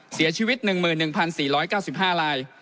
เสียชีวิต๑๑๔๙๕ลาย